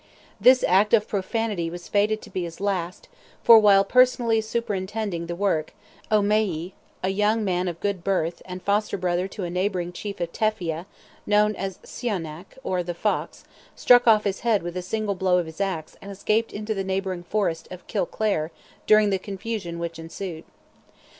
This act of profanity was fated to be his last, for, while personally superintending the work, O'Meyey, a young man of good birth, and foster brother to a neighbouring chief of Teffia, known as Sionnach, or "the Fox," struck off his head with a single blow of his axe and escaped into the neighbouring forest of Kilclare during the confusion which ensued.